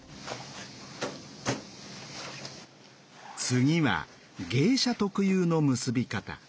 次は芸者特有の結び方。